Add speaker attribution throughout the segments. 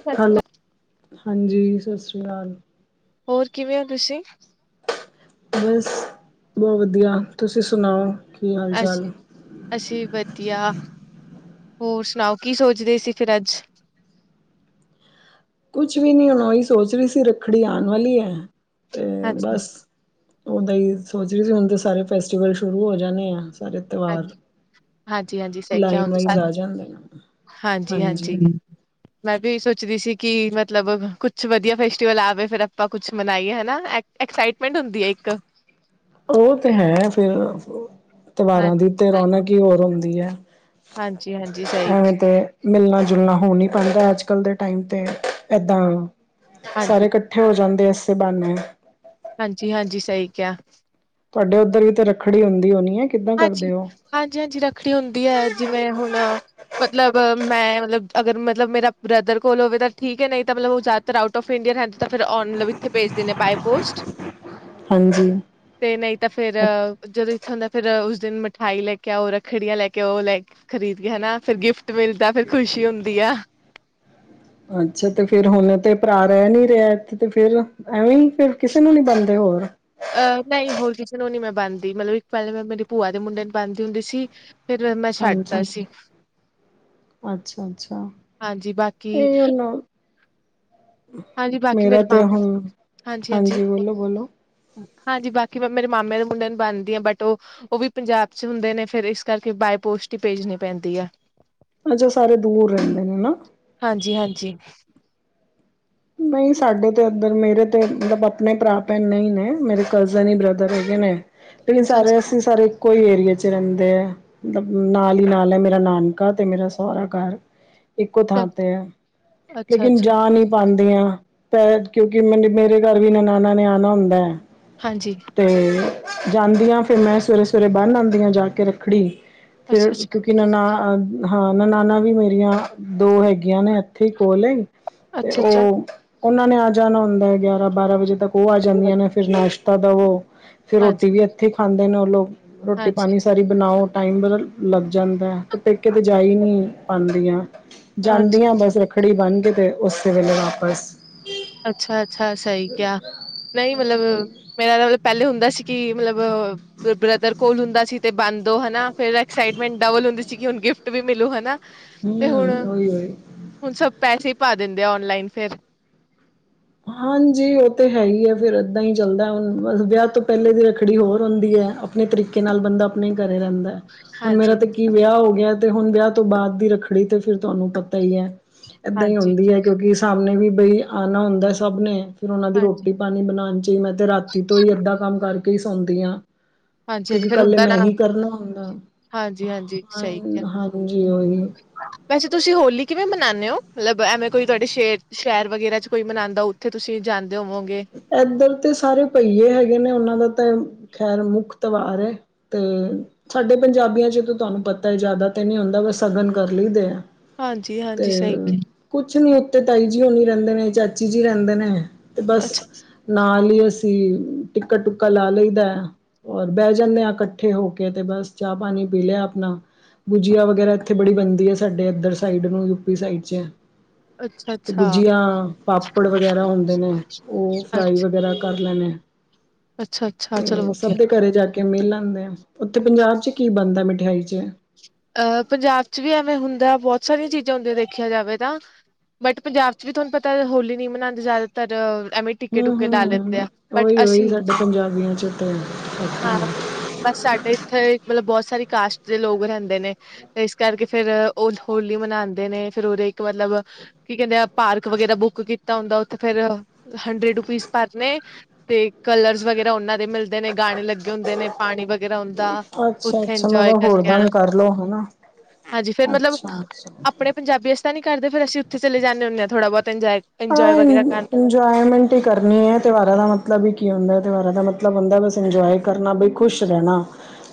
Speaker 1: ਸਤਿ ਸ਼੍ਰੀ
Speaker 2: ਹੈਲੋ
Speaker 1: ਅਕਾਲ,
Speaker 2: ਹਾਂਜੀ ਸਤਿ ਸ਼੍ਰੀ ਅਕਾਲ।
Speaker 1: ਹੋਰ ਕਿਵੇਂ ਹੋ ਤੁਸੀਂ?
Speaker 2: ਬਸ ਬਹੁਤ ਵਧੀਆ ਤੁਸੀਂ ਸੁਣਾਓ? ਕੀ ਹਾਲ ਚਾਲ
Speaker 1: ਅਸੀ ਅਸੀਂ ਵਧੀਆ। ਹੋਰ ਸੁਣਾਓ ਕੀ ਸੋਚਦੇ ਸੀ ਫਿਰ ਅੱਜ?
Speaker 2: ਕੁਛ ਵੀ ਨੀ ਹੁਣ ਉਹੀ ਸੋਚ ਰਹੀ ਸੀ ਰੱਖੜੀ ਆਣ ਵਾਲੀ ਹੈ
Speaker 1: ਹਾਂਜੀ।
Speaker 2: ਉਹਦ ਹੀ ਸੋਚ ਰਹੀ ਸੀ, ਹੁਣ ਤਾਂ ਸਾਰੇ ਫੈਸਟੀਵਲ ਸ਼ੁਰੂ ਹੋ ਜਾਣੇ ਆ, ਸਾਰੇ ਤਿਉਹਾਰ।
Speaker 1: ਹਾਂਜੀ-ਹਾਂਜੀ, ਸਹੀ ਕਿਹਾ
Speaker 2: ਲਾਈਨ ਵਾਈਜ਼ ਆ ਜਾਂਦੇ ਨੇ ਹਾਂਜੀ
Speaker 1: ਹਾਂਜੀ-ਹਾਂਜੀ। ਮੈਂ ਵੀ ਸੋਚ ਪੁਛ ਰਹੀ ਸੀ, ਕਿ ਮਤਲਬ ਕੁਛ ਵਧੀਆ ਫੈਸਟੀਵਲ ਆਵੇ, ਫੇਰ ਆਪਾਂ ਕੁੱਛ ਮਨਾਈਏ ਹਨਾ ਐਕਸਾਈਟਮੈਂਟ ਹੁੰਦੀ ਹੈ ਇੱਕ।
Speaker 2: ਉਹ ਤੇ ਹੈ, ਫਿਰ
Speaker 1: ਹਾਂ
Speaker 2: ਤਿਵਾਰਾਂ ਦੀ ਤੇ ਰੌਣਕ ਹੀ ਹੋਰ ਹੁੰਦੀ ਐ।
Speaker 1: ਹਾਂਜੀ, ਹਾਂਜੀ ਸਹੀ
Speaker 2: ਐਵੇਂ
Speaker 1: ਕਿਹਾ,
Speaker 2: ਤੇ ਮਿਲਣਾ ਜੁਲਣਾ ਹੋ ਨੀ ਪੈਂਂਦਾ, ਅੱਜ-ਕੱਲ ਦੇ ਟਾਈਮ ਤੇ ਏਦਾਂ ਸਾਰੇ
Speaker 1: ਹਾਂਜੀ।
Speaker 2: ਇਕੱਠੇ ਹੋ ਜਾਂਦੇ ਆ। ਤੇ ਬਾਨੇ।
Speaker 1: ਹਾਂਜੀ-ਹਾਂਜੀ, ਸਹੀ ਕਿਹਾ।
Speaker 2: ਤੁਹਾਡੇ ਉੱਧਰ ਵੀ ਤੇ ਰੱਖੜੀ ਹੁੰਦੀ ਹੋਣੀ ਐ?
Speaker 1: ਹਾਂਜੀ-ਹਾਂਜੀ-ਹਾਂਜੀ ਰੱਖੜੀ ਹੁੰਦੀ ਹੈ, ਜਿਵੇਂ ਹੁਣ ਮਤਲਬ ਮੈਂ ਮਤਲਬ ਅਗਰ ਮਤਲਬ ਮੇਰਾ ਬ੍ਰਦਰ ਕੋਲ ਹੋਵੇ, ਤਾਂ ਠੀਕ ਹੈ ਨਹੀਂ ਤਾਂ ਮਤਲਬ ਉਹ ਜ਼ਿਆਦਾਤਰ ਆਊਟ ਆਫ ਇੰਡੀਆ ਰਹਿੰ ਦਾ ਤਾਂ ਫਿਰ ਮਤਲਬ ਇੱਥੇ ਭੇਜ ਦਿੰਦੇ ਬਾਏ ਪੋਸਟ,
Speaker 2: ਹਾਂਜੀ
Speaker 1: ਤੇ ਨਹੀਂ ਤਾਂ ਫੇਰ ਜਦੋਂ ਇੱਥੋਂ ਦਾ ਉਸ ਦਿਨ ਮਿਠਾਈ ਲੈ ਕੇ ਆਓ, ਰੱਖੜੀਆਂ ਲੈ ਕੇ ਆਓ ਉਹ ਲੈ ਖਰੀਦ ਕੇ ਹਨਾ, ਫਿਰ ਗਿਫਟ ਮਿਲਦਾ ਫੇਰ ਖੁਸ਼ੀ ਹੁੰਦੀ ਆ।
Speaker 2: ਅੱਛਾ, ਤੇ ਫੇਰ ਹੁਣ ਤੇ ਭਰਾ ਰਹਿ ਨੀ ਰਿਹਾ ਤੇ ਫਿਰ ਐਵੇਂ ਹੀ। ਫਿਰ ਕਿਸੇ ਨੂੰ ਨੀ ਬਣਦੇ ਹੋਰ?
Speaker 1: ਅਹ ਨਹੀਂ ਹੋਰ ਕਿਸੇ ਨੂੰ ਨੀ ਮੈਂ ਬੰਨਦੀ, ਮਤਲਬ ਇੱਕ ਪਹਿਲੇ ਮੈਂ ਮੇਰੀ ਭੂਆ ਦੇ ਮੁੰਡੇ ਨੂੰ ਬੰਨਦੀ ਦੀ ਹੁੰਦੀ ਸੀ। ਫਿਰ ਮੈਂ
Speaker 2: ਹਾਂਜੀ
Speaker 1: ਛੱਡਦਾ ਸੀ,
Speaker 2: ਅੱਛਾ ਅੱਛਾ
Speaker 1: ਹਾਂਜੀ, ਬਾਕੀ।
Speaker 2: ਇਹ ਹੁਣ
Speaker 1: ਹਾਂਜੀ, ਬਾਕੀ
Speaker 2: ਮੇਰਾ
Speaker 1: ਮੇਰੇ
Speaker 2: ਤੇ ਹੁਣ
Speaker 1: ਹਾਂਜੀ-ਹਾਂਜੀ,
Speaker 2: ਹਾਂਜੀ ਬੋਲੋ ਬੋਲੋ
Speaker 1: ਹਾਂਜੀ, ਬਾਕੀ ਮੇਰੇ ਮਾਮੇ ਦੇ ਮੁੰਡੇ ਨੂੰ ਬੰਨਦੀ ਆ, ਬਟ ਉਹ-ਉਹ ਵੀ ਪੰਜਾਬ ਚ ਹੁੰਦੇ ਨੇ ਫੇਰ ਇਸ ਕਰਕੇ ਬਏ ਪੋ ਸਟੀ ਹੀ ਭੇਜਣੀ ਪੈਂਦੀ ਐ।
Speaker 2: ਅੱਛਾ, ਸਾਰੇ ਦੂਰ ਰਹਿੰਦੇ ਨੇ ਨਾ।
Speaker 1: ਹਾਂਜੀ ਹਾਂਜੀ
Speaker 2: ਨਹੀਂ ਸਾਡੇ ਤੇ ਇੱਧਰ ਮੇਰੇ ਤੇ ਮਤਲਬ, ਆਪਣੇ ਭਰਾ ਭੈਣ ਨਹੀਂ ਨੇ ਮੇਰੇ ਕਜ਼ਨ ਹੀ ਬ੍ਰਦਰ ਹੈਗੇ ਨੇ। ਲੇਕਿਨ
Speaker 1: ਅੱਛਾ
Speaker 2: ਸਾਰੇ
Speaker 1: ਅੱਛਾ
Speaker 2: ਅਸੀਂ ਸਾਰੇ, ਕੋਈ ਏਰੀਏ ਚ ਰਹਿੰਦੇ ਆ, ਮਤਲਬ ਨਾਲ ਹੀ ਨਾਲ ਐ ਮੇਰਾ ਨਾਨਕਾ ਤੇ ਮੇਰਾ ਸਹੁਰਾ ਘਰ। ਇੱਕੋ ਥਾਂ ਤੇ ਐ,
Speaker 1: ਅੱਛਾ
Speaker 2: ਲੇਕਿਨ
Speaker 1: ਅੱਛਾ
Speaker 2: ਜਾ ਨਹੀਂ। ਕਿਉਂਕਿ ਮੇਰੇ ਘਰ ਵੀ ਨਨਾਣਾ ਨੇ ਆਣਾ ਹੁੰਦਾ ਐ।
Speaker 1: ਹਾਂਜੀ,
Speaker 2: ਜਾਂਦੀ ਆ ਫੇਰ ਮੈਂ ਸਵੇਰੇ-ਸਵੇਰੇ ਬੰਨ੍ਹ ਆਂਦੀ ਆ ਜਾ ਕੇ ਰੱਖੜੀ, ਫਿਰ
Speaker 1: ਅੱਛਾ ਅੱਛਾ
Speaker 2: ਕਿਉਂਕਿ ਇਹਨਾਂ ਨਾ ਹਾਂ ਨਨਾਨਾ ਵੀ ਮੇਰੀਆਂ ਦੋ ਹੈਗੀਆਂ ਨੇ ਇੱਥੇ ਕੋਲੇ ਹੀ, ਤੇ
Speaker 1: ਅੱਛਾ ਅੱਛਾ
Speaker 2: ਉਹ ਉਹਨਾਂ ਨੇ ਆ ਜਾਣਾ ਹੁੰਦਾ ਹੈ, ਗਿਆਰਾਂ ਬਾਰਾਂ ਵਜੇ ਤੱਕ ਉਹ ਆ ਜਾਂਦੀਆਂ ਨੇ, ਫਿਰ ਨਾਸ਼ ਤਾ ਦਵੋ ਫੇਰ
Speaker 1: ਹਾਂਜੀ
Speaker 2: ਰੋਟੀ ਵੀ ਇੱਥੇ ਖਾਂਦੇ ਨੇ, ਉਹ ਲੋਕ ਰੋਟੀ
Speaker 1: ਹਾਂਜੀ
Speaker 2: ਪਾਣੀ ਸਾਰੀ ਬਣਾਓ। ਟਾਈਮ ਵ ਲੱਗ ਜਾਂਦਾ ਅਤੇ ਪੇਕੇ 'ਤੇ ਜਾ ਹੀ ਨੀ ਪਾਦੀਆਂ।
Speaker 1: ਅੱਛ
Speaker 2: ਜਾਂਦੀਆ ਬਸ ਰੱਖੜੀ ਬਣ ਕੇ ਤੇ ਉਸੇ ਵੇਲੇ ਵਾਪਸ,
Speaker 1: ਅੱਛਾ-ਅੱਛਾ, ਸਹੀ ਕਿਹਾ ਨਹੀਂ ਮਤਲਬ ਮੇਰਾ ਤਾਂ ਮਤਲਬ ਪਹਿਲੇ ਹੁੰਦਾ ਸੀ, ਕਿ ਮਤਲਬ ਬ੍ਰਦਰ ਕੋਲ ਹੁੰਦਾ ਸੀ, ਤੇ ਬੰਨਦੋ ਹਨਾ ਫੇਰ ਐਕਸਾਈਟਮੈਂਟ ਡਬਲ ਹੁੰਦੀ ਸੀ, ਕਿ ਹੁਣ ਗਿਫਟ ਵੀ ਮਿਲੂ ਹਨਾ, ਤੇ
Speaker 2: ਹੂੰ ਉਹੀ ਉਹੀ
Speaker 1: ਹੁਣ-ਹੁਣ ਸਭ ਪੈਸੇ ਪਾ ਦਿੰਦੇ ਆ ਔਨਲਾਈਨ ਫੇਰ,
Speaker 2: ਹਾਂਜੀ, ਉਹ ਤੇ ਹੈ ਹੀ ਐ, ਫੇਰ ਏਦਾਂ ਹੀ ਚੱਲਦਾ ਹੁਣ ਵਿਆਹ ਤੋਂ ਪਹਿਲੇ ਦੀ ਰੱਖੜੀ ਹੋਰ ਹੁੰਦੀ ਐ। ਆਪਣੇ ਤਰੀਕੇ ਨਾਲ ਬੰਦਾ ਆਪਣੇ ਹੀ ਘਰੇ ਰਹਿੰਦਾ। ਹੁਣ
Speaker 1: ਹਾਂਜੀ
Speaker 2: ਮੇਰਾ ਤੇ ਕੀ ਵਿਆਹ ਹੋ ਗਿਆ, ਤੇ ਹੁਣ ਵਿਆਹ ਤੋਂ ਬਾਅਦ ਦੀ ਰੱਖੜੀ ਤੇ ਫਿਰ ਤੁਹਾਨੂੰ ਪਤਾ ਹੀ ਹੈ। ਏਦਾਂ ਹੀ
Speaker 1: ਹਾਂਜੀ
Speaker 2: ਹੁੰਦੀ ਹੈ, ਕਿਉਂਕਿ ਸਾਹਮਣੇ ਵੀ ਬਈ ਆਣਾ ਹੁੰਦਾ ਸਭ ਨੇ, ਫਿਰ ਉਹਨਾਂ ਦੀ
Speaker 1: ਹਾਂਜੀ
Speaker 2: ਰੋਟੀ ਪਾਣੀ ਬਣਾਣ 'ਚ ਹੀ ਮੈਂ ਤਾਂ ਰਾਤੀ ਤੋਂ ਹੀ ਅੱਧਾ ਕੰਮ ਕਰਕੇ ਹੀ ਸੌਂਦੀ ਹਾਂ।
Speaker 1: ਹਾਂਜੀ ਹਾਂਜੀ
Speaker 2: ਕਿਉਂਕਿ
Speaker 1: ਫਿਰ
Speaker 2: ਕੱਲੇ
Speaker 1: ਹੁੰਦਾ
Speaker 2: ਮੈਂ
Speaker 1: ਨਾ
Speaker 2: ਹੀ ਕਰਨਾ ਹੁੰਦਾ।
Speaker 1: ਹਾਂਜੀ-ਹਾਂਜੀ,
Speaker 2: ਹਾਂ
Speaker 1: ਸਹੀ ਕਿਹਾ।
Speaker 2: ਹਾਂਜੀ ਉਹੀ
Speaker 1: ਵੈਸੇ ਤੁਸੀਂ ਹੋਲੀ ਕਿਵੇਂ ਮੰਨਾਨੇ ਹੋ ਮਤਲਬ ਐਵੇਂ ਕੋਈ ਤੁਹਾਡੇ ਸ਼ੇਰ ਸ਼ਹਿਰ ਵਗੈਰਾ ਚ ਕੋਈ ਮਨਾਉਂਦਾ ਉੱਥੇ ਤੁਸੀਂ ਜਾਂ
Speaker 2: ਇਦਰ ਤੇ ਸਾਰੇ ਪਹੀਏ ਹੈਗੇ ਨੇ ਉਹਨਾਂ ਦਾ ਖੈਰ ਮੁੱਖ ਤਿਵਹਾਰ ਹੈ ਤੇ ਸਾਡੇ ਪੰਜਾਬੀਆਂ ਜਦੋਂ ਤੁਹਾਨੂੰ ਪਤਾ ਹੈ ਜ਼ਿਆਦਾ ਤੇ ਨਹੀਂ ਹੁੰਦਾ ਵ ਸਗਨ ਕਰ ਲਈਦੇ ਆ ਤੇ
Speaker 1: ਹਾਂਜੀ-ਹਾਂਜੀ, ਸਹੀ ਕਿਹਾ।
Speaker 2: ਕੁਛ ਨੀ ਉੱਤੇ ਤਾਈ ਜੀ ਹੁਣੀ ਰਹਿੰਦੇ ਨੇ ਚਾਚੀ ਜੀ ਰਹਿੰਦੇ ਨੇ ਤੇ ਬਸ
Speaker 1: ਅੱਛਾ,
Speaker 2: ਨਾਲ ਹੀ ਆ ਅਸੀਂ ਟਿੱਕਾ ਟੁਕਾਾ ਲਾ ਲਈਦਾ ਔਰ ਬਹਿ ਜਾਂਦੇ ਹਾਂ ਇਕੱਠੇ ਹੋ ਕੇ ਤੇ ਬਸ ਚਾਹ ਪਾਣੀ ਪੀ ਲਿਆ ਆਪਣਾ ਬੂਜੀਆ ਵਗੈਰਾ ਇੱਥੇ ਬੜੀ ਬਣਦੀ ਹੈ ਸਾਡੇ ਇੱਧਰ ਸਾਈਡ ਨੂੰ ਯੂਪੀ ਸਾਈਡ ਚ ਤੇ
Speaker 1: ਅੱਛਾ-ਅੱਛਾ,
Speaker 2: ਗੁਜੀਆਂ ਪਾਪੜ ਵਗੈਰਾ ਹੁੰਦੇ ਨੇ ਉਹ ਫਰਾਈ ਵਗੈਰਾ ਕਰਦੇ ਕਰ ਲੈਣੇ ਆ
Speaker 1: ਅੱਛਾ-ਅੱਛਾ, ਚਲੋ
Speaker 2: ਤੇ
Speaker 1: ਵਧੀਆ।
Speaker 2: ਸਭ ਦੇ ਘਰੇ ਜਾ ਕੇ ਮੇਲਾਾਂ ਹੁੰਦਾ। ਉੱਥੇ ਪੰਜਾਬ ਚ ਕੀ ਬਣਦਾ ਮਿਠਿਆਈ ਚ
Speaker 1: ਅਹ, ਪੰਜਾਬ ਚ ਵੀ ਐਵੇਂ ਹੁੰਦਾ। ਬਹੁਤ ਸਾਰੀਆਂ ਚੀਜ਼ਾਂ ਹੁੰਦੀਆਂ, ਦੇਖਿਆ ਜਾਵੇ ਤਾਂ। ਬਟ, ਪੰਜਾਬ ਚ ਵੀ ਤੁਹਾਨੂੰ ਪਤਾ ਹੋਲੀ ਨਹੀਂ ਮਨਾਉਂਦੇ। ਜ਼ਿਆਦਾਤਰ ਐਵੇਂ ਟਿੱਕੇ
Speaker 2: ਹੂੰ
Speaker 1: ਟੁਕੇ ਲਾ ਲੈਂਦੇ ਆ
Speaker 2: ਹੂੰ
Speaker 1: ਬਟ
Speaker 2: ਉਹੀ ਉਹੀ
Speaker 1: ਅਸੀਂ,
Speaker 2: ਸਾਡੇ ਪੰਜਾਬੀਆਂ ਚ ਤੇ
Speaker 1: ਹਾਂ। ਬਸ ਸਾਡੇ ਇੱਥੇ ਮਤਲਬ ਬਹੁਤ ਸਾਰੀ ਕਾਸਟ ਦੇ ਲੋਕ ਰਹਿੰਦੇ। ਨੇ ਤੇ ਇਸ ਕਰਕੇ ਫੇਰ ਉਹ ਹੋਲੀ ਮਨਾਉਂਦੇ ਨੇ ਫੇਰ, ਉਹਦੇ ਇੱਕ ਮਤਲਬ ਕੀ ਕਹਿੰਦੇ ਏ ਭਾ ਪਾਰਕ ਵਗਰਾ ਬੁੱਕ ਕੀਤਾ ਹੁੰਦਾ। ਉੱਥੇ ਫੇਰ ਹੰਡਰੇਡ ਰੁਪੀਜ਼ ਭਰਨੇ ਤੇ ਕਲਰਜ਼ ਵਗੈਰ ਉਹਨਾਂ ਦੇ ਮਿਲਦੇ ਨੇ ਗਾਣੇ ਲੱਗੇ ਹੁੰਦੇ ਨੇ। ਪਾਣੀ ਵਗੈਰਾ ਹੁੰਦਾ
Speaker 2: ਅੱਛਾ
Speaker 1: ਉੱਥੇ
Speaker 2: ਅੱਛਾ ਮੈਂ
Speaker 1: ਇੰਜੋਏ
Speaker 2: ਤਾਂ ਹੋਰ
Speaker 1: ਕਰਕੇ ਆਉਣਾ।
Speaker 2: ਦੰਗ ਕਰ ਲੋ ਹਨਾ
Speaker 1: ਹਾਂਜੀ, ਫੇਰ ਮਤਲਬ
Speaker 2: ਅੱਛਾ ਅੱਛਾ
Speaker 1: ਆਪਣੇ ਪੰਜਾਬੀਆਂ ਚ ਤਾਂ ਨੀ ਘਰ ਦੇ ਫੇਰ ਅਸੀ ਉੱਥੇ ਚਲੇ ਜਾਣੇਂ ਹੁਣੇ ਆ ਥੋੜਾ ਬੋਤ
Speaker 2: ਹਾਂ। ਇੰਜੋਏਮੈਂਟ ਹੀ ਕਰਨੀ ਐ। ਤਿਉਹਾਰਾਂ ਦਾ ਮਤਲਬ ਹੀ ਕੀ ਹੁੰਦਾ। ਤਿਉਹਾਰਾਂ ਦਾ ਮਤਲਬ ਮਤਲਬ ਹੁੰਦਾ, ਬਸ ਇੰਜੋਏ ਕਰਨਾ ਬਈ ਖੁਸ਼ ਰਹਿਣਾ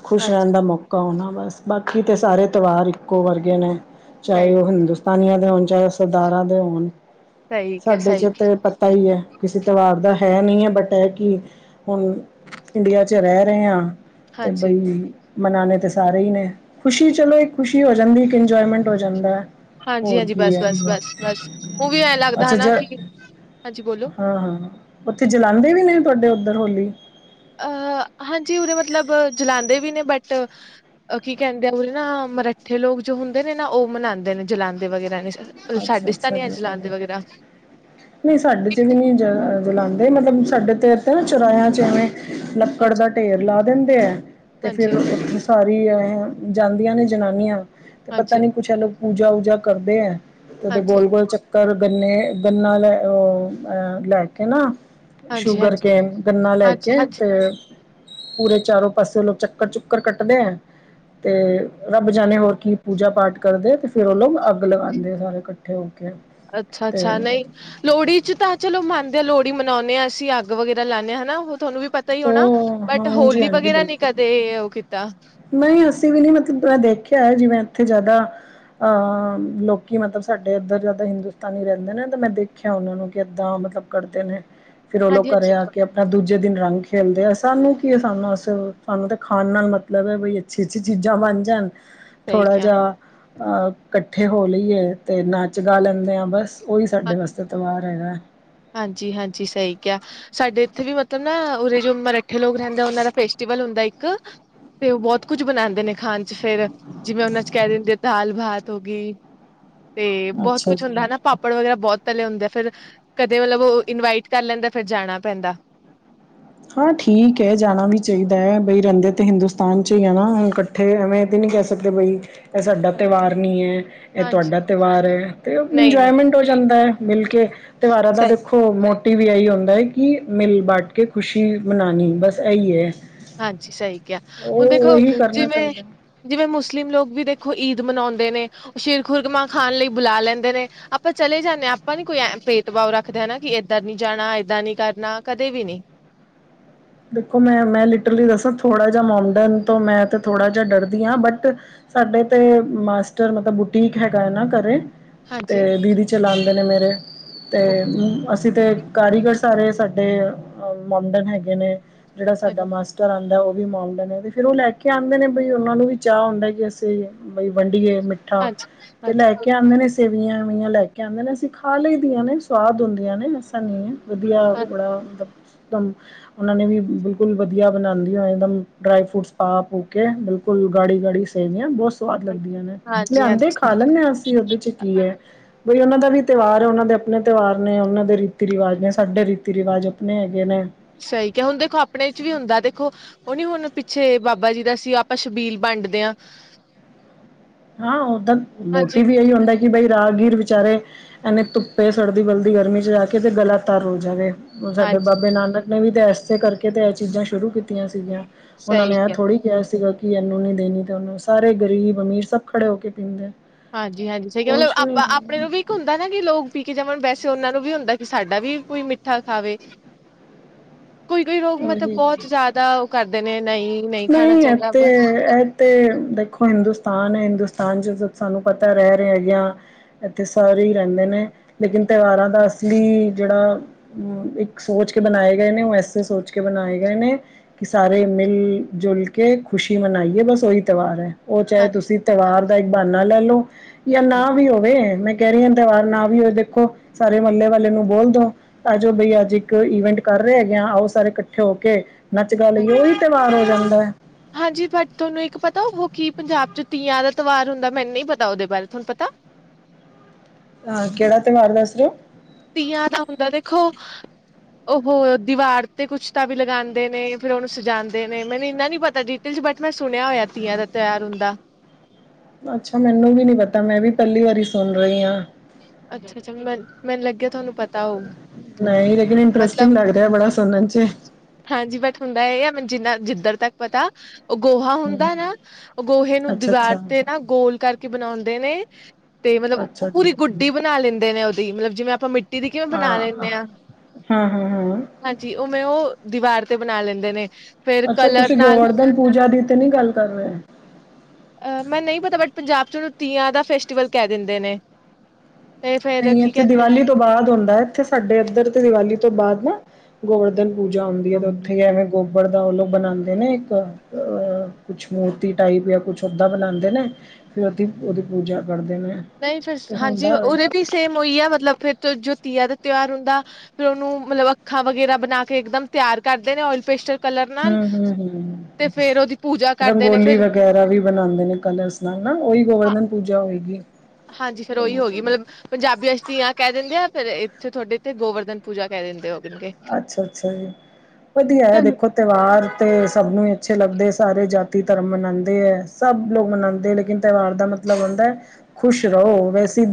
Speaker 2: ਖੁਸ਼ ਰਹਿਣ
Speaker 1: ਹਾਂਜੀ।
Speaker 2: ਦਾ ਮੌਕਾ ਆਣਾ ਬਸ। ਬਾਕੀ ਤਾਂ ਸਾਰੇ ਤਿਉਹਾਰ ਇੱਕੋ ਵਰਗੇ ਨੇ। ਚਾਹੇ
Speaker 1: ਸਹੀ
Speaker 2: ਉਹ ਹਿੰਦੁਸਤਾਨੀਆਂ ਦੇ ਹੋਣ ਚਾਹੇ, ਸਰਦਾਰਾਂ ਦੇ ਹੋਣ
Speaker 1: ਸਹੀ ਕਿਹਾ
Speaker 2: ਸਾਡੇ
Speaker 1: ਸਹੀ
Speaker 2: ਚ
Speaker 1: ਕਿਹਾ
Speaker 2: ਤੇ ਪਤਾ ਈ ਐ। ਕਿਸੇ ਤਵਾਰ ਦਾ ਐਹ ਨਹੀਂ ਹੈ। ਬਟ, ਐਹ ਕਿ ਹੁਣ ਇੰਡੀਆ ਚ ਰਹਿ ਰਹੇ ਹਾਂ। ਤੇ
Speaker 1: ਹਾਂਜੀ
Speaker 2: ਬਈ ਮਨਾਣੇ ਤੇ ਸਾਰੇ ਈ ਨੇ। ਖੁਸ਼ੀ ਚਲੋ ਇੱਕ ਖੁਸ਼ੀ ਹੋ ਜਾਂਦੀ ਐ ਕਿ ਇੰਜੋਏਮੈਂਟ ਹੋ ਜਾਂਦਾ।
Speaker 1: ਹਾਂਜੀ
Speaker 2: ਹੋਰ
Speaker 1: ਹਾਂਜੀ,
Speaker 2: ਕੀ
Speaker 1: ਬਸ,
Speaker 2: ਹੈ
Speaker 1: ਬਸ, ਬਸ, ਬਸ ਉਹ ਵੀ ਐਂ ਲੱਗਦਾ।
Speaker 2: ਅੱਛਾ ਜ।
Speaker 1: ਹਨਾ ਕਿ ਹਾਂਜੀ ਬੋਲੋ
Speaker 2: ਹਾਂ ਹਾਂ ਉੱਥੇ ਜਲਾਂਉਦੇ ਵੀ ਨਹੀਂ? ਤੁਹਾਡੇ ਉੱਧਰ ਹੋਲੀ
Speaker 1: ਅਹ ਹਾਂਜੀ। ਉਰੇ ਮਤਲਬ ਜਲਾਾਂਉਂਦੇ ਵੀ ਨੇ ਬਟ ਕੀ ਕਹਿੰਦੇ ਆ, ਉਰੇ ਨਾ ਮਰੱਠੇ ਲੋਕ ਜੋ ਹੁੰਦੇ ਨੇ ਨਾ, ਉਹ ਮਨਾਉਂਦੇ ਨੇ, ਜਲਾਂਂਦੇ ਵਗੈਰਾ ਨੇ
Speaker 2: ਅੱਛਾ
Speaker 1: ਸਾਡੇ ਚ
Speaker 2: ਅੱਛ
Speaker 1: ਤਾਂ ਨੀ ਜਲਾਂਦੇ ਵਗੈਰਾ
Speaker 2: ਨਹੀਂ, ਸਾਡੇ ਚ ਵੀ ਨੀ ਜਲਾਉਂਦੇ ਮਤਲਬ। ਸਾਡੇ ਤੇ ਇਥੇ ਨਾ ਚੁਰਾਇਆਂ ਚ ਇਵੇਂ ਲੱਕੜ
Speaker 1: ਹਾਂਜੀ
Speaker 2: ਦਾ ਢੇਰ ਲਾ ਦਿੰਦੇ ਆ, ਤੇ
Speaker 1: ਹਾਂਜੀ
Speaker 2: ਫੇਰ ਸਾਰੀ ਜਾਂਦੀਆਂ ਨੇ ਜਨਾਨੀਆਂ ਤੇ ਪਤਾ
Speaker 1: ਹਾਂਜੀ
Speaker 2: ਨੀ ਕੁਛ ਹੈ ਲੋਕ ਪੂਜਾ ਪੂਜਾ ਕਰਦੇ ਐ । ਤੇ ਉਹਦੇ
Speaker 1: ਹਾਂਜੀ
Speaker 2: ਗੋਲ ਗੋਲ ਚੱਕਰ ਗੰਨੇ ਗੰਨਾ ਲੈ ਅਹ ਲੈ ਕੇ ਨਾ
Speaker 1: ਹਾਂਜੀ
Speaker 2: ਸ਼ੂਗਰ
Speaker 1: ਹਾਂਜੀ
Speaker 2: ਕੇਨ ਗੰਨਾ ਲੈ
Speaker 1: ਹਾਂਜੀ
Speaker 2: ਕੇ
Speaker 1: ਹਾਂਜੀ
Speaker 2: ਤੇ ਪੂਰੇ ਚਾਰੋ ਪਾਸੇ ਲੋਕ ਚੱਕਰ ਚੁੱਕਰ ਕੱਟਦੇ ਐ। ਤੇ ਰੱਬ ਜਾਣੇ ਹੋਰ ਕੀ ਪੂਜਾ ਪਾਠ ਕਰਦੇ ਤੇ ਫਿਰ ਓਨੂੰ ਲੋਕ ਅੱਗ ਲਗਾਉਦੇਂ ਆ ਸਾਰੇ ਇਕੱਠੇ ਹੋ ਕੇ
Speaker 1: ਅੱਛਾ! ਅੱਛਾ
Speaker 2: ਤੇ
Speaker 1: ਨਹੀਂ ਲੋਹੜੀ ਚ, ਤਾਂ ਚਲੋ ਮੰਨਦੇ ਆ ਲੋਹੜੀ ਮਨਾਉਦੇਂ ਹ ਅਸੀਂ ਅੱਗ ਵਗੈਰਾ ਲਾਉਦੇ ਹਾਂ ਹਨਾ ਉਹ ਤੁਹਾਨੂੰ ਵੀ ਪਤਾ ਹੀ ਹੋਣਾ,
Speaker 2: ਉਹ
Speaker 1: ਬਟ
Speaker 2: ਹਾਂਜੀ
Speaker 1: ਹੋਲੀ ਵਗੈਰਾ ਨੀ ਕਦੇ ਉਹ ਕੀਤਾ
Speaker 2: ਨਹੀ, ਅਸੀਂ ਵੀ ਨੀ ਮਤਲਬ ਮੈਂ ਦੇਖਿਆ ਹੈ ।ਜਿਵੇਂ ਇੱਥੇ ਜ਼ਿਆਦਾ ਅਹ ਲੋਕੀ ਮਤਲਬ ਸਾਡੇ ਇੱਧਰ ਜਿਆਦਾ ਹਿੰਦੁਸਤਾਨੀ ਰਹਿੰਦੇ ਨੇ ਤਾਂ ਮੈਂ ਦੇਖਿਆ ਉਹਨਾਂ ਨੂੰ ਕਿ ਏਦਾਂ ਮਤਲਬ ਕਰਦੇ ਨੇ ਫੇਰ ਉਹ
Speaker 1: ਹਾਂਜੀ
Speaker 2: ਲੋਕ ਘਰੇ
Speaker 1: ਹਾਂਜੀ
Speaker 2: ਆ ਕੇ ਆਪਣਾ ਦੂਜੇ ਦਿਨ ਰੰਗ ਖੇਲਦੇ ਆ। ਸਾਨੂੰ ਕਿ ਸਾਨੂੰ ਅਸ ਸਾਨੂੰ ਤਾਂ ਖਾਣ ਨਾਲ ਮਤਲਬ ਹੈ ।ਬਈ ਅੱਛੀ ਅੱਛੀ ਚੀਜ਼ਾਂ ਬਣ ਜਾਣ।
Speaker 1: ਸਹੀ
Speaker 2: ਥੋੜਾ
Speaker 1: ਕਿਹਾ
Speaker 2: ਜਾ ਅਹ! ਇਕੱਠੇ ਹੋ ਲਈਏ ਤੇ ਨੱਚ ਗਾ ਲੈਦੇਂ ਆ, ਬੱਸ ਓਹੀ ਸਾਡੇ ਵਾਸਤੇ ਤਵਾਰ ਹੈਗਾ।
Speaker 1: ਹਾਂਜੀ, ਹਾਂਜੀ ਸਹੀ ਕਿਹਾ ।ਸਾਡੇ ਇੱਥੇ ਵੀ ਮਤਲਬ ਨਾ, ਉਰੇ ਜੋ ਮਰੱਠੇ ਲੋਕ ਰਹਿੰਦੇ, ਉਹਨਾਂ ਦਾ ਪੇਚੀਕ ਹੁੰਦਾ ਇੱਕ ਤੇ ਉਹ ਬਹੁਤ ਕੁੱਝ ਬਣਾਉਦੇਂ ਨੇ ਖਾਣ ਚ ਫੇਰ ਜਿਵੇਂ, ਉਹਨਾਂ ਦੇ ਚ ਕਹਿ ਦਿੰਦੇ ਦਾਲ ਭਾਤ ਹੋ ਗਈ। ਤੇ ਬਹੁਤ
Speaker 2: ਅੱਛਾ
Speaker 1: ਕੁੱਛ ਹੁੰਦਾ
Speaker 2: ਜੀ
Speaker 1: ਹੈਨਾ ।ਪਾਪੜ ਵਗੈਰਾ ਬਹੁਤ ਤਲੇ ਹੁੰਦੇ ਆ ਫਿਰ ਕਦੇ ਮਤਲਬ ਉਹ ਇਨਵਾਈਟ ਕਰ ਲੈਦਾਂ ਫਿਰ ਜਾਣਾ ਪੈਦਾਂ।
Speaker 2: ਹਾਂ ਠੀਕ ਹੈ ।ਜਾਣਾ ਵੀ ਚਾਹੀਦਾ ਹੈ। ਬਈ ਰਹਿੰਦੇ ਤੇ ਹਿੰਦੁਸਤਾਨ ਚ ਹੀ ਹੈ। ਨਾ ਹੁਣ ਇਕੱਠੇ ਐਵੇਂ ਤੇ ਜੈ ਸੱਤ ਮਈ, ਇਹ ਸਾਡਾ ਤਿਉਹਾਰ ਨਹੀਂ ਹੈ। ਇਹ
Speaker 1: ਹਾਂਜੀ
Speaker 2: ਤੁਹਾਡਾ ਤਿਉਹਾਰ ਹੈ ।ਤੇ
Speaker 1: ਨਹੀਂ ਨਹੀਂ
Speaker 2: ਇੰਜੋਏਮੈਂਟ ਹੋ ਜਾਂਦਾ ਹੈ। ਮਿਲ ਕੇ ਤਿਉਹਾਰਾਂ ਦਾ
Speaker 1: ਸਹੀ
Speaker 2: ਦੇਖੋ, ਮੋਟਿਵ ਇਹੀ ਹੁੰਦਾ ਹੈ ।ਕਿ ਮਿਲ ਬਾਟ ਕੇ ਖੁਸ਼ੀ ਮਨਾਣੀ ਬੱਸ ਏ ਈ ਐ।
Speaker 1: ਹਾਂਜੀ। ਸਹੀ ਕਿਹਾ, ਹੁਣ ਦੇਖੋ
Speaker 2: ਕਰਨਾ
Speaker 1: ਜਿਵੇਂ
Speaker 2: ਚਾਹੀਦਾ
Speaker 1: ਜਿਵੇਂ ਮੁਸਲਿਮ ਲੋਕ ਵੀ ਦੇਖੋ, ਈਦ ਮਨਾਉਦੇਂ ਨੇ ਸ਼ੀਰ ਖੁਰਗਮਾਂ ਖਾਣ ਲਈ ਬੁਲਾ ਲੈਂਦੇ ਨੇ ਆਪਾਂ ਚਲੇ ਜਾਂਨੇ ਆ ਆਪਾਂ ਨੀ ਕੋਈ ਐ ਭੇਦਭਾਵ ਰੱਖਦੇ ਹਨ ਕੀ ਏਧਰ ਨੀ ਜਾਣਾ ਏਦਾਂ ਨੀ ਕਰਨਾ ਕਦੇ ਵੀ ਨੀ
Speaker 2: ਦੇਖੋ ਮੈਂ ਮੈਂ ਲਿਟਰਲੀ ਦੱਸਾਂ ਥੋੜਾ ਜਾ ਮੋਮਡਨ ਤੋਂ ਮੈਂ ਤੇ ਥੋੜਾ ਜਾ ਡਰਦੀ ਆ ਬਟ ਸਾਡੇ ਤੇ ਮਾਸਟਰ ਮਤਲਬ ਬੁਟੀਕ ਹੈਗਾ ਐ ਨਾ ਘਰੇ ਤੇ
Speaker 1: ਹਾਂਜੀ
Speaker 2: ਦੀਦੀ ਚਲਾਂਦੇ ਨੇ ਮੇਰੇ ਤੇ ਅਸੀਂ ਤੇ ਕਾਰੀਗਰ ਸਾਰੇ ਸਾਡੇ ਮੋਮਡਨ ਹੈਗੇ ਨੇ ਜੇੜਾ
Speaker 1: ਹਾਂਜੀ
Speaker 2: ਸਾਡਾ ਮਾਸਟਰ ਆਂਦਾ ਓ ਓ ਵੀ ਮਾਉਡਨ ਐ ਤੇ ਫਿਰ ਓ ਲੈ ਕੇ ਆਂਦੇ ਨੇ ਬਈ ਓਨਾ ਨੂੰ ਵੀ ਚਾਅ ਹੁੰਦਾ ਕਿ ਅਸੀਂ ਬਈ ਵੰਡੀਏ ਮਿੱਠਾ
Speaker 1: ਹਾਂਜੀ
Speaker 2: ਤੇ
Speaker 1: ਹਾਂਜੀ
Speaker 2: ਲੈ ਕੇ ਆਂਦੇ ਨੇ ਸੇਵੀਆਂ ਵਿਆਂ ਲੈ ਕੇ ਆਂਦੇ ਨੇ ਅਸੀਂ ਖਾ ਲਈ ਦੀਆਂ ਨੇ ਸਵਾਦ ਹੁੰਦੀਆਂ ਨੇ ਐਸਾ ਨੀ ਐ ਵਧੀਆ ਬੜਾ [unintelligible] ਓਨਾ ਨੇ ਵੀ ਬਿਲਕੁੱਲ ਵਧੀਆ ਬਣਾਦੀ [unintelligible] ਇੱਕਦਮ ਡਰਾਈ ਫਰੂਟਸ ਪਾ ਪੂ ਕੇ ਬਿਲਕੁੱਲ ਗਾੜੀ-ਗਾੜੀ ਸੇਵੀਆਂ ਬੋਤ ਸਵਾਦ ਲੱਗਦੀਆਂ ਨੇ
Speaker 1: ਹਾਂਜੀ
Speaker 2: ਲਿਆਂਦੇ
Speaker 1: ਹਾਂਜੀ
Speaker 2: ਖਾ ਲਣੇ ਆ ਅਸੀਂ ਓਦੇ ਚ ਕੀ ਐ ਬਈ ਓਨਾ ਦਾ ਵੀ ਤਿਉਹਾਰ ਐ ਓਨਾਂ ਦੇ ਆਪਣੇ ਤਿਉਹਾਰ ਨੇ ਓਨਾਂ ਦੇ ਰੀਤੀ ਰਿਵਾਜ ਨੇ ਸਾਡੇ ਰੀਤੀ ਰਿਵਾਜ ਆਪਣੇ ਹੈਗੇ ਨੇ
Speaker 1: ਸਈ ਕਿਆ ਹੁਣ ਦੇਖੋ ਆਪਣੇ ਚ ਵੀ ਹੁੰਦਾ ਦੇਖੋ ਓ ਨੀ ਹੁਣ ਪਿੱਛੇ ਬਾਬਾ ਜੀ ਦਾ ਸੀ ਆਪਾਂ ਸ਼ਬੀਲ ਵੰਡਦੇ ਆ
Speaker 2: ਹਾਂ ਓਦਾਂ ਮੋਟੀਵ ਏਹੀ ਹੁੰਦਾ ਕਿ ਬਈ ਰਾਹਗੀਰ ਵਿਚਾਰੇ ਐਨੇ ਧੁੱਪੇ ਸੜਦੇ ਬਲਦੀ ਗਰਮੀ ਚ ਜਾ ਕੇ ਤੇ ਗਲਾ ਤਾਰ ਹੋ ਜਾਵੇ। ਸਾਡੇ
Speaker 1: ਹਾਂਜੀ
Speaker 2: ਬਾਬੇ ਨਾਨਕ ਨੇ ਵੀ ਤਾਂ ਏਸੇ ਕਰਕੇ ਤੇ ਐ ਚੀਜ਼ਾਂ ਸ਼ੁਰੂ ਕੀਤੀਆਂ ਸੀਗੀਆਂ। ਓਨਾਂ
Speaker 1: ਸਹੀ
Speaker 2: ਨੇ ਐ
Speaker 1: ਕਿਹਾ
Speaker 2: ਥੋੜ੍ਹੀ ਕਿਆ ਸੀਗਾ ਕਿ ਏਨੂੰ ਨੀ ਦੇਣੀ ਤੇ ਓਨੂੰ ਸਾਰੇ ਗ਼ਰੀਬ ਅਮੀਰ ਸਭ ਖੜੇ ਹੋ ਕੇ ਪੀਂਦੇ
Speaker 1: ਹਾਂਜੀ-ਹਾਂਜੀ ਸਈ ਗੱਲ
Speaker 2: ਕੁਛ ਨਹੀਂ
Speaker 1: ਆਪਾਂ ਆਪਣੇ ਨੂੰ ਵੀ ਇੱਕ ਹੁੰਦਾ ਨਾ ਕਿ ਲੋਕ ਪੀ ਕੇ ਜਾਵਣ ਵੈਸੇ ਓ ਨਾਂ ਨੂੰ ਵੀ ਹੁੰਦਾ ਵੀ ਸਾਡਾ ਵੀ ਕੋਈ ਮਿੱਠਾ ਖਾਵੇ। ਕੋਈ-ਕੋਈ ਲੋਕ ਮਤਲਬ ਬੋਤ ਜਾਦਾ ਓ ਕਰਦੇ ਨੇ ਨਹੀਂ ਨਹੀਂ ਖਾਣਾ
Speaker 2: ਨਈ ਐ
Speaker 1: ਚਾਹੀਦਾ
Speaker 2: ਤੇ
Speaker 1: ਬਸ
Speaker 2: ਐ ਤੇ ਦੇਖੋ ਹਿੰਦੁਸਤਾਨ ਐ ਹਿੰਦੁਸ ਤਾਂਨ ਜਦੋਂ ਸਾਨੂੰ ਪਤਾ ਰੈ ਰੇ ਯਾਂ ਇੱਥੇ ਸਾਰੇ ਈ ਰੇਂਦੇ ਨੇ ਲੇਕਿਨ ਤਿਉਹਾਰਾਂ ਦਾ ਇਸ ਲਈ ਜੇੜਾ ਇੱਕ ਸੋਚ ਕੇ ਬਣਾਏ ਗਏ ਨੇ ਓ ਐਸੇ ਸੋਚ ਕੇ ਬਣਾਏ ਗਏ ਨੇ ਕਿ ਸਾਰੇ ਮਿਲ ਜੁਲ ਕੇ ਖੁਸ਼ੀ ਮਨਾਈਏ ਬਸ ਓਹੀ ਤਿਹਾਰ ਅ ਓ ਚਾਹੇ
Speaker 1: ਹਾਂਜੀ
Speaker 2: ਤੁਸੀਂ ਤਿਉਹਾਰ ਦਾ ਇੱਕ ਬਾਨਾ ਲੈ ਲਓ ਜਾਂ ਨਾ
Speaker 1: ਹਾਂਜੀ
Speaker 2: ਵੀ ਹੋਵੇ ਮੈਂ ਕੈ ਰੀ ਆ ਤਿਉਹਾਰ ਨਾ ਵੀ ਹੋਏ ਦੇਖੋ ਸਾਰੇ ਮਹੱਲੇ ਵਾਲੇ ਨੂੰ ਬੋਲ ਦੋ ਆ ਜੋਓ ਬਈ ਅੱਜ ਇੱਕ ਈਵੈਂਟ ਕਰ ਰੇ ਹੈਗੇ ਆ ਆਓ ਸਾਰੇ ਇਕੱਠੇ ਹੋ ਕੇ ਨੱਚ ਗਾ
Speaker 1: ਹਾਂਜੀ
Speaker 2: ਲਈਏ ਓਹੀ ਤਿਉਹਾਰ ਹੋ ਜਾਂ
Speaker 1: ਹਾਂਜੀ ਬਟ ਥੋਨੂੰ ਇੱਕ ਪਤਾ ਓ ਕੀ ਪੰਜਾਬ ਚ ਤੀਆਂ ਦਾ ਤਿਉਹਾਰ ਹੁੰਦਾ ਮੈਨੂੰ ਨੀ ਪਤਾ ਓਦੇ ਬਾਰੇ ਤੁਹਾਨੂੰ ਪਤਾ?
Speaker 2: ਹਾਂ ਕਿਹੜਾ ਤਿਉਹਾਰ ਦੱਸਰੇ ਓ
Speaker 1: ਓਹ ਦੀਵਾਰ ਤੇ ਕੁੱਛ ਤਾਂ ਵੀ ਲਗਾਂਦੇ ਨੇ ਫੇਰ ਓਨੂੰ ਸਜਾਂਦੇ ਨੇ ਮੈਨੂੰ ਇੰਨਾ ਨੀ ਪਤਾ ਜੀ [unintelligible] ਬਟ ਮੈਂ ਸੁਣਿਆ ਹੋਇਆ ਤੀਆਂ ਦਾ ਤਿਉਹਰ ਹੁੰਦਾ
Speaker 2: ਅੱਛਾ ਮੈਨੂੰ ਵੀ ਨਹੀਂ ਪਤਾ ਮੈਂ ਵੀ ਪਹਿਲੀ ਵਾਰੀ ਸੁਣ ਰਹੀ ਆਂ।
Speaker 1: ਅੱਛਾ-ਅੱਛਾ ਮ ਮੈਨੂੰ ਲੱਗਿਆ ਤੁਹਾਨੂੰ ਪਤਾ ਹੋਊ
Speaker 2: ਨਹੀਂ ਲੇਕਿਨ
Speaker 1: ਮਤਲਬ
Speaker 2: ਇੰਟਰਸਟਿੰਗ ਲੱਗ ਰਿਆ ਬੜਾ ਸੁਣਨ ਚ
Speaker 1: ਹਾਂਜੀ ਬਟ ਹੁੰਦਾ ਏ ਆ ਮੈ ਜਿੰਨਾ ਜਿੱਧਰ ਤੱਕ ਪਤਾ ਓ ਗੋਹਾ
Speaker 2: ਹਮ,
Speaker 1: ਹੁੰਦਾ ਨਾ ਓ ਗੋਹੇ ਨੂੰ
Speaker 2: ਅੱਛਾ
Speaker 1: ਦੀਵਾਰ
Speaker 2: ਅੱਛਾ
Speaker 1: ਤੇ ਨਾ ਗੋਲ ਕਰਕੇ ਬਣਾਉਂਦੇ ਨੇ ਤੇ ਮਤਲਬ ਓ
Speaker 2: ਅੱਛਾ ਜੀ
Speaker 1: ਪੂਰੀ ਗੁੱਡੀ ਬਣਾ ਲੈਂਦੇ ਨੇ ਓਦੀ ਮਤਲਬ ਜਿਵੇਂ ਆਪਾਂ ਮਿੱਟੀ ਦੀ ਕਿਵੇਂ
Speaker 2: ਹਾਂ
Speaker 1: ਬਣਾ ਲੈਂਨੇ ਆ।
Speaker 2: ਹਾਂ। ਹਾਂ
Speaker 1: ਹਾਂਜੀ ਉਵੇਂ ਓ ਦੀਵਾਰ ਤੇ ਬਣਾ ਲੈਂਦੇ ਨੇ। ਫਿਰ
Speaker 2: ਅੱਛਾ
Speaker 1: ਕਲਰ
Speaker 2: ਤੁਸੀਂ
Speaker 1: ਨਾਲ
Speaker 2: ਗੋਵਰਧਨ ਪੂਜਾ ਦੀ ਤੇ ਨਹੀਂ ਗੱਲ ਕਰ ਰਹੇ
Speaker 1: ਅਹ ਮੈਂ ਨਈ ਪਤਾ ਬਟ ਪੰਜਾਬ ਚ ਓਨੂੰ ਤੀਆਂ ਦਾ ਫੈਸਟੀਵਲ ਕੈ ਦਿੰਦੇ ਨੇ। ਤੇ ਫੇਰ
Speaker 2: ਨਈ
Speaker 1: ਕੀ
Speaker 2: ਇੱਥੇ
Speaker 1: ਕਹਿੰਦੇ
Speaker 2: ਦੀਵਾਲੀ ਤੋਂ ਬਾਦ ਹੁੰਦਾ ਇੱਥੇ ਸਾਡੇ ਇੱਧਰ ਤੇ ਦੀਵਾਲੀ ਤੋਂ ਬਾਅਦ ਨਾ ਗੋਵਰਧਨ ਪੂਜਾ ਹੁੰਂਦੀ ਐ ਤੇ ਉੱਥੇ ਐਵੇਂ ਗੋਬਰ ਦਾ ਲੋਕ ਬਣਾਉਂਦੇ ਨੇ ਇੱਕ ਅ ਕੁੱਛ ਮੂਰਤੀ ਟਾਈਪ ਜਾਂ ਕੁੱਛ ਓਦਾ ਬਣਾਦੇ ਨੇ ਫਿਰ ਓਦੀ ਓਦੀ ਪੂਜਾ ਕਰਦੇ ਨੇ
Speaker 1: ਨਈ ਫਿਰ
Speaker 2: ਤੇ
Speaker 1: ਹਾਂਜੀ
Speaker 2: ਹੁੰਦਾ ਹੋਏ
Speaker 1: ਉਰੇ ਵੀ ਸੇਮ ਓਈ ਐ ਮਤਲਬ ਫਿਰ ਜੋਤੀਆ ਦਾ ਤਿਉਹਾ ਫੇਰ ਹੁੰਦਾ ਫਿਰ ਓਨੂੰ ਮਤਲਬ ਅੱਖਾਂ ਵਗੈਰਾ ਬਣਾ ਕੇ ਇੱਕਦਮ ਤਿਆਰ ਕਰਦੇ ਨੇ ਓਇਲ ਪੇਸਟਰ
Speaker 2: ਹੂੰ ਹੂੰ ਹੂੰ
Speaker 1: ਉਹਦੀ ਪੂਜਾ ਕਰਦੇ ਨੇ
Speaker 2: ਰੰਗੋਲੀ
Speaker 1: ਫਿਰ
Speaker 2: ਵਗੈਰਾ ਵੀ ਬਣਾਉਂਦੇ ਨੇ ਕਲਰਸ ਨਾਲ ਨਾ ਉਹੀ
Speaker 1: ਹਾਂ
Speaker 2: ਗੋਵਰਧਨ ਪੂਜਾ ਹੋਏਗੀ
Speaker 1: ਹਾਂਜੀ ਫੇਰ ਉਹੀ ਹੋ ਗਈ ਮਤਲਬ ਪੰਜਾਬੀ ਅਸ਼ਤੀਆਂ ਕਹਿ ਦਿੰਦੇ ਆ ਫੇਰ ਇੱਥ ਤੁਹਾਡੇ ਇੱਥੇ ਗੋਵਰਧਨ ਪੂਜਾ ਕਹਿ ਦਿੰਦੇ ਹੋ
Speaker 2: ਅੱਛਾ ਅੱਛਾ ਜੀ ਵਧੀਆ ਆ ਦੇਖੋ ਤਿਉਹਾਰ ਤੇ ਸਭ ਨੂੰ ਹੀ ਅੱਛੇ ਲੱਗਦੇ ਸਾਰੇ ਜਾਤੀ ਧਰਮ ਮਨਾਉਂਦੇ ਹੈ ਸਭ ਲੋਕ ਮਨਾਉਂਦੇ ਲੇਕਿਨ ਤਿਉਹਾਰ ਦਾ ਮਤਲਬ ਮਤਲਬ ਹੁੰਦਾ ਖੁਸ਼ ਰਹੋ ਵੈਸੇ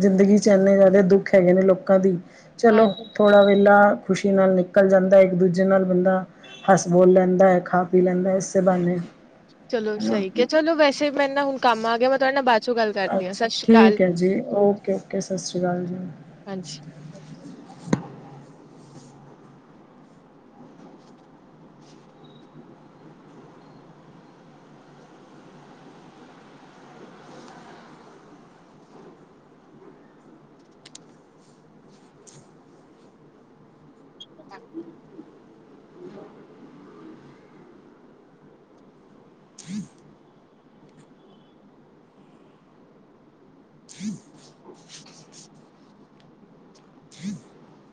Speaker 2: ਜ਼ਿੰਦਗੀ ਚ ਇੰਨੇ ਜ਼ਿਆਦੇ ਦੁੱਖ ਹੈਗੇ ਨੇ ਲੋਕਾਂ ਦੀ ਚਲੋ
Speaker 1: ਹਾਂਜੀ
Speaker 2: ਥੋੜਾ ਵੇਲਾ ਖੁਸ਼ੀ ਨਾਲ ਨਿਕਲ ਜਾਂਦਾ ਇੱਕ ਦੂਜੇ ਨਾਲ ਬੰਦਾ ਹੱਸ ਬੋਲ ਲੈਂਦਾ ਹੈ ਖਾ ਪੀ ਲੈਂਦਾ ਹੈ ਇਸੇ ਬਾਨੇ
Speaker 1: ਚਲੋ ਸਹੀ ਹੈ ਚਲੋ ਵੈਸੇ ਮੈਨੂੰ ਨਾ ਹੁਣ ਕੰਮ ਆ ਗਿਆ ਮੈਂ ਤੁਹਾਡੇ ਨਾਲ ਬੱਸ
Speaker 2: ਅੱਛਾ ਠੀਕ ਹੈ ਜੀ ਓਕੇ ਓਕੇ ਸਤਿ ਸ਼੍ਰੀ ਅਕਾਲ ਜੀ
Speaker 1: ਹਾਂਜੀ [inaudible] [inaudible]